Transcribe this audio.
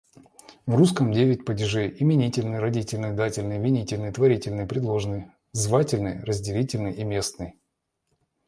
В русском девять падежей: именительный, родительный, дательный, винительный, творительный, предложный, звательный, разделительный и местный.